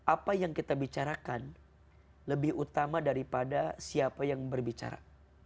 apa yang kita bicarakan lebih utama daripada siapa yang berbicara